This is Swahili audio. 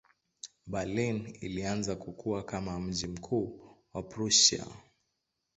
Berlin ilianza kukua kama mji mkuu wa Prussia.